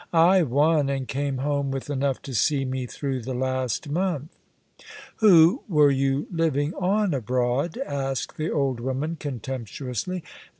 I won, and came home with enough to see me through the last month." "Who were you living on abroad?" asked the old woman, contemptuously.